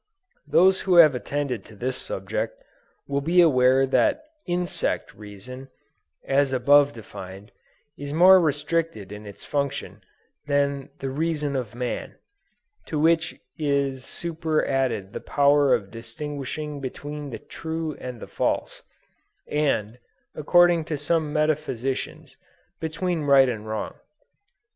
Those who have attended to this subject, will be aware that insect reason, as above defined, is more restricted in its functions than the reason of man; to which is superadded the power of distinguishing between the true and the false, and, according to some metaphysicians, between right and wrong.